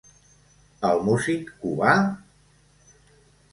El músic cubà?